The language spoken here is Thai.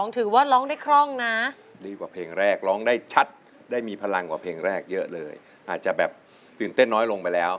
ท่านอยู่ต่อได้อีกนานทุน